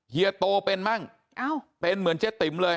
เฮียโตเป็นมั่งเป็นเหมือนเจ๊ติ๋มเลย